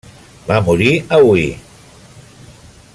Va morir a Huy.